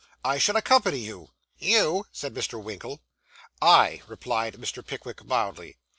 I shall accompany you.' 'You!' said Mr. Winkle. 'I,' replied Mr. Pickwick mildly.